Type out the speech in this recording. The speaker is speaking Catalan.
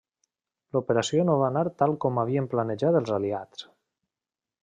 L'operació no va anar tal com havien planejat els aliats.